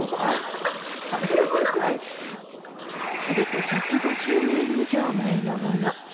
全て１５０年以上前のもの。